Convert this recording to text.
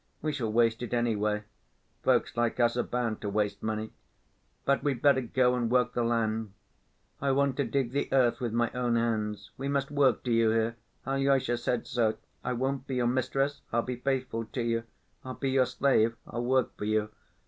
We shall waste it anyway.... Folks like us are bound to waste money. But we'd better go and work the land. I want to dig the earth with my own hands. We must work, do you hear? Alyosha said so. I won't be your mistress, I'll be faithful to you, I'll be your slave, I'll work for you.